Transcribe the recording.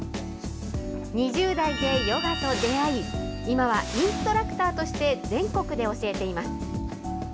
２０代でヨガと出会い、今はインストラクターとして全国で教えています。